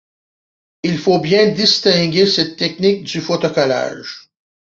Il faut bien distinguer cette technique du photocollage.